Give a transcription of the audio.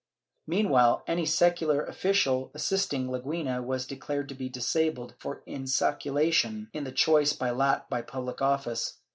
Meanwhile, any secular official assisting Leguina was declared to be disabled for insaculation in the choice by lot for public office.